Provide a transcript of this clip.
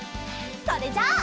それじゃあ。